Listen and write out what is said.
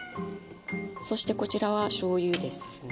そしてこちらはしょうゆですね。